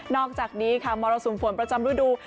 นอกจากนี้มรสุนฝนประจำรูดู